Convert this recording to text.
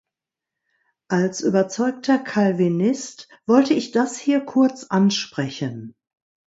Als überzeugter Calvinist wollte ich das hier kurz ansprechen.